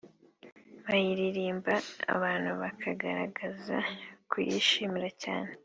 bayiririmba abantu bakagaragaza kuyishimira cyane